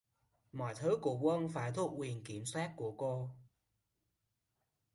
Mọi thứ của quân phải thuộc quyền kiểm soát của cô